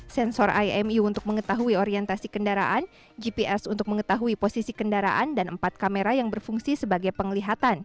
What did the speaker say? sensor imu untuk mengetahui orientasi kendaraan gps untuk mengetahui posisi kendaraan dan empat kamera yang berfungsi sebagai penglihatan